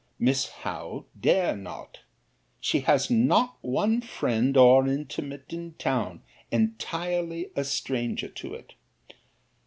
Miss Howe dare not. She has not one friend or intimate in town—entirely a stranger to it.